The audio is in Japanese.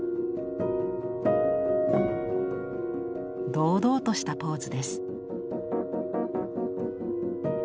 堂々としたポーズです。